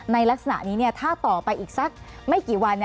ในลักษณะนี้ถ้าต่อไปอีกสักไม่กี่วัน